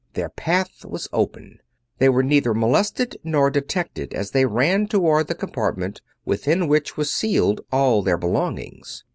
Their path was open; they were neither molested nor detected as they ran toward the compartment within which was sealed all their belongings.